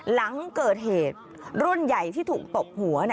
หลังเกิดเหตุรุ่นใหญ่ที่ถูกตบหัว